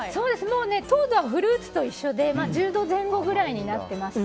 糖度はフルーツと一緒で１０度前後ぐらいになってます。